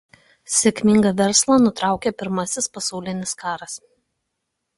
Sėkmingą verslą nutraukė Pirmasis pasaulinis karas.